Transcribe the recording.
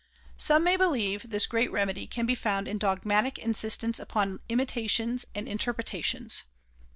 Some may believe this great remedy can be found in dogmatic insistence upon imitations and interpretations.